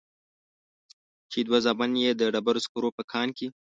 چې دوه زامن يې د ډبرو سکرو په کان کې.